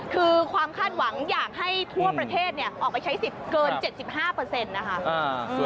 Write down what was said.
คือความคาดหวังอยากให้ทั่วประเทศออกไปใช้สิทธิ์เกิน๗๕นะคะ